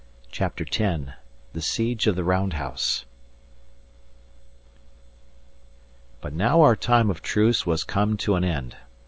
CHAPTER X THE SIEGE OF THE ROUND HOUSE But now our time of truce was come to an end.